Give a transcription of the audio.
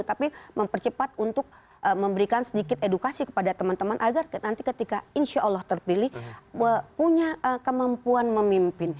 tapi mempercepat untuk memberikan sedikit edukasi kepada teman teman agar nanti ketika insya allah terpilih punya kemampuan memimpin